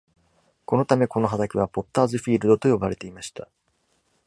このため、この畑はポッターズフィールドと呼ばれていました。